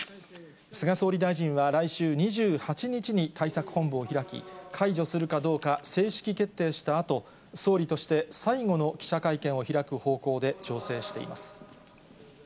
菅総理大臣は来週２８日に対策本部を開き、解除するかどうか正式決定したあと、総理として最後の記者会見を開く方向で、調整しています。